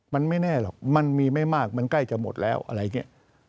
มันไม่แน่หรอกมันมีไม่มากมันใกล้จะหมดแล้วอะไรอย่างนี้